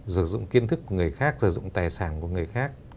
sử dụng kiến thức của người khác sử dụng tài sản của người khác